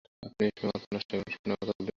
এই সময়টা আপনি নষ্ট করলেন না, ঠাণ্ডা মাথায় ভাবলেন।